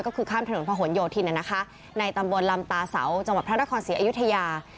ก็คือข้ามถนนพระหลโยธินในตำบลลำตาเสาจังหวัดพระนครศรีอยุธยา